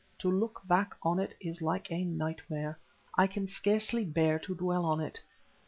To look back on it is like a nightmare. I can scarcely bear to dwell on it.